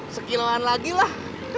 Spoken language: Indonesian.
sekilan lagi lah